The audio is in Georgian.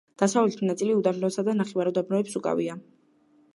დასავლეთი ნაწილი უდაბნოებსა და ნახევარუდაბნოებს უკავია.